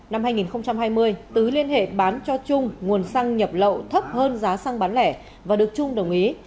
năm hai nghìn hai mươi tứ liên hệ bán cho trung nguồn xăng nhập lậu thấp hơn giá xăng bán lẻ và được trung đồng ý